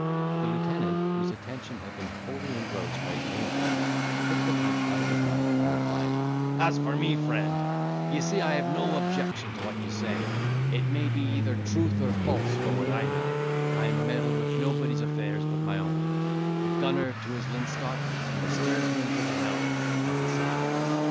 The lieutenant, whose attention had been wholly engrossed by his own affairs, took the pipe out of his mouth, and replied, "As for me, friend, d'ye see, I have no objection to what you say; it may be either truth or false, for what I know; I meddle with nobody's affairs but my own; the gunner to his linstock, and the steersman to the helm, as the saying is.